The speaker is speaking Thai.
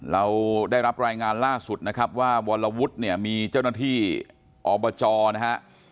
เราได้รับรายงานล่าสุดนะครับว่าวรวุฒิเนี่ยมีเจ้าหน้าที่อบจนะฮะ